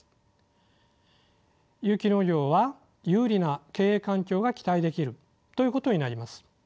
有機農業は有利な経営環境が期待できるということになります。